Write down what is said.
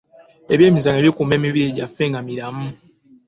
Ebyemizannyo bikuuma emibiri gyaffe nga miramu.